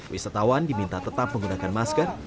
wisatawan diminta tetap menggunakan masker